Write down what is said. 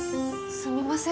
すみません